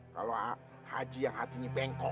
kalau haji yang hatinya bengkok